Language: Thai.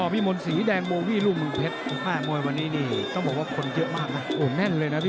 อ๋อมีมนศรีแดงมวีรุ่งมงเผ็ด